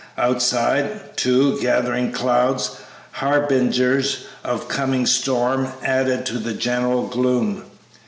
Outside, too, gathering clouds, harbingers of coming storm, added to the general gloom.